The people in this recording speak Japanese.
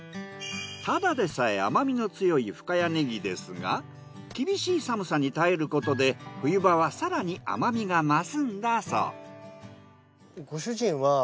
ただでさえ甘みの強い深谷ねぎですが厳しい寒さに耐えることで冬場は更に甘みが増すんだそう。